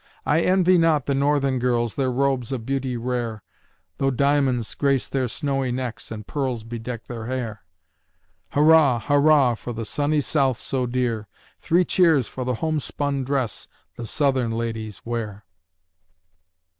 I envy not the Northern girls Their robes of beauty rare, Though diamonds grace their snowy necks And pearls bedeck their hair. Hurrah, hurrah! For the sunny South so dear. Three cheers for the homespun dress The Southern ladies wear.